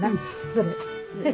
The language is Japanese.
どれ。